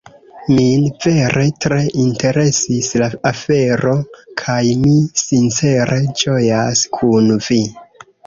Min vere tre interesis la afero kaj mi sincere ĝojas kun Vi!